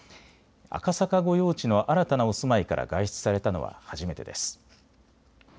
赤坂御用地の新たなお住まいから外出されたのは初めてです。